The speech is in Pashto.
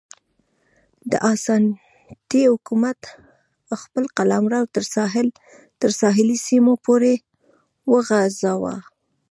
د اسانتي حکومت خپل قلمرو تر ساحلي سیمو پورې وغځاوه.